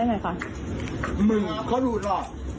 อย่าอย่าน้องเฮ่ยนะ